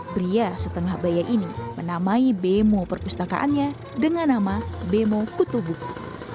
pria setengah bayi ini menamai bemo perpustakaannya dengan nama bemo kutubuku